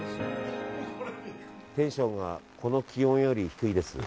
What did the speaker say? テンションがこの気温より低いです。